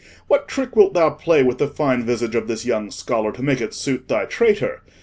What trick wilt thou play with the fine visage of this young scholar to make it suit thy traitor?